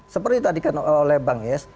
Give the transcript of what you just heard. seperti tadi kan oleh bang yes